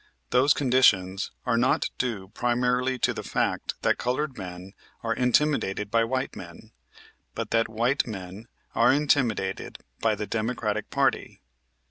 Those conditions are not due primarily to the fact that colored men are intimidated by white men, but that white men are intimidated by the Democratic party.